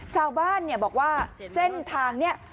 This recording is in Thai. ชาวบ้านบอกว่าเส้นทางนี้